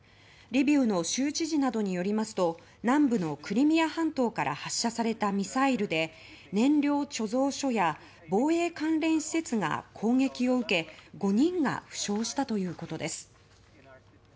リビウの州知事などによりますと南部のクリミア半島から発射されたミサイルで燃料貯蔵所や防衛関連施設が攻撃を受け５人が負傷したということです。